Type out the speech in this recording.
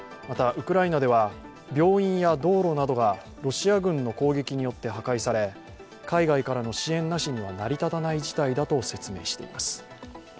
また、ウクライナでは病院や道路などがロシア軍の攻撃によって破壊され海外からの支援なしには成り立たない事態だと説明しています。